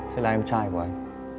sẽ là em trai của anh